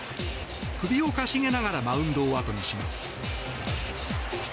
首をかしげながらマウンドを後にします。